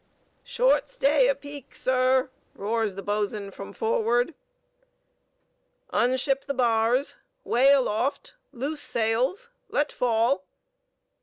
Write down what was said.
"Short stay apeak, sir," roars the boatswain from forward. "Unship the bars. Way aloft. Loose sails. Let fall!"